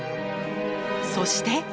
そして。